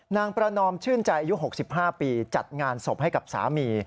นางประนอมชื่นใจอายุ๖๕ปีจัดงานศพให้กับสามี